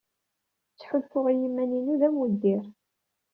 Ttḥulfuɣ i yiman-inu d amuddir.